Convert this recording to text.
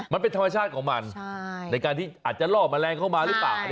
มันเป็นธรรมชาติของมันในการที่อาจจะล่อแมลงเข้ามาหรือเปล่า